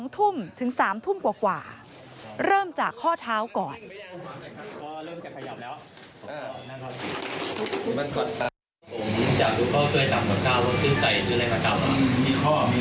๒ทุ่มถึง๓ทุ่มกว่าเริ่มจากข้อเท้าก่อน